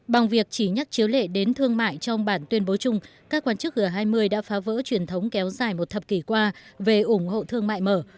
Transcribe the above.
bằng việc chỉ nhắc chiếu lệ đến thương mại trong bản tuyên bố chung các quan chức g hai mươi đã phá vỡ truyền thống kéo dài một thập kỷ qua về ủng hộ thương mại mở